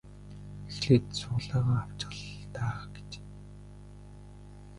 Эхлээд сугалаагаа авчих л даа гэжээ.